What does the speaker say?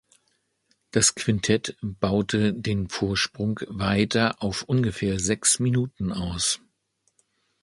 Das Quintett baute den Vorsprung weiter auf ungefähr sechs Minuten aus.